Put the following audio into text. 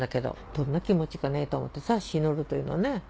どんな気持ちかねと思ってさ死ぬるというのはね。